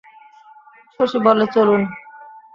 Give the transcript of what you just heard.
শশী বলে, চলুন।